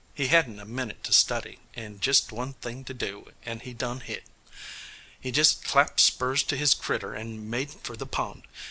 He hadn't a minit to study, and jist one thing to do, and he done hit. He jist clapped spurs to his critter and made for the pond.